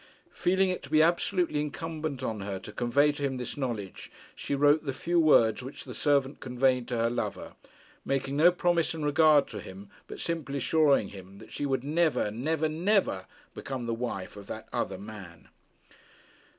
Feeling it to be absolutely incumbent on her to convey to him this knowledge, she wrote the few words which the servant conveyed to her lover, making no promise in regard to him, but simply assuring him that she would never, never, never become the wife of that other man.